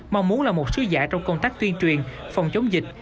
mong muốn là một sứ giả trong công tác tuyên truyền phòng chống dịch